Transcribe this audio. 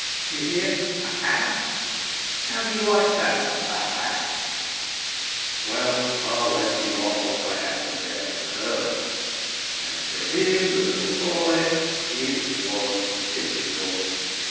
You hear — perhaps ! How do you like that perhaps ? Well, I'll let you off what I had to bear from her. As for him, the little boy, it was pitiful.